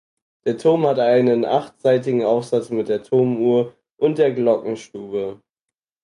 Der Turm hat einen achtseitigen Aufsatz mit der Turmuhr und der Glockenstube.